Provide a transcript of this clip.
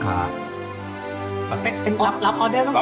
เป็นรับรับออเดอร์ของเขา